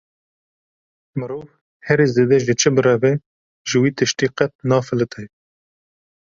Mirov herî zêde ji çi bireve, ji wî tiştî qet nafilite.